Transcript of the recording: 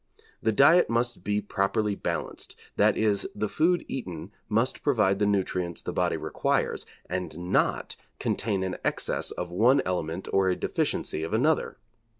The diet must be properly balanced, that is, the food eaten must provide the nutrients the body requires, and not contain an excess of one element or a deficiency of another.